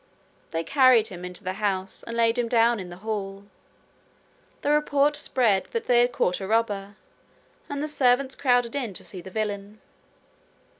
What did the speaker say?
They carried him into the house and laid him down in the hall. The report spread that they had caught a robber, and the servants crowded in to see the villain.